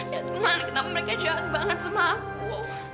ya gimana kenapa mereka jahat banget sama aku